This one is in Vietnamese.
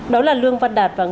đó là lương văn đạt và nguyễn dầu